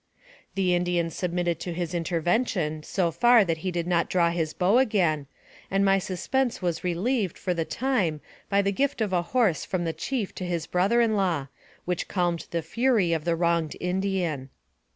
The Indian submitted to his intervention so far that he did not draw his bow again, and my suspense was relieved, for the time, by the gift of a horse from the chief to his brother in law, which calmed the fury of the wronged Indian.